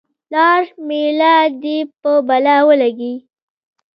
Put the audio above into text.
لار میله دې په بلا ولګي.